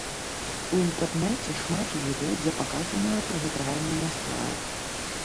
У інтэрнэце шмат відэа, дзе паказанае прыгатаванне насваю.